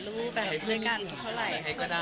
รู้แบบเพื่อกันเท่าไหร่